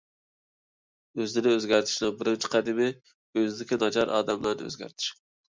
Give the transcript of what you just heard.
ئۆزىنى ئۆزگەرتىشنىڭ بىرىنچى قەدىمى، ئۆزىدىكى ناچار ئادەتلەرنى ئۆزگەرتىش.